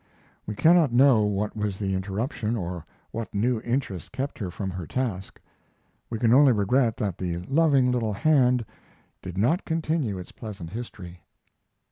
We cannot know what was the interruption or what new interest kept her from her task. We can only regret that the loving little hand did not continue its pleasant history.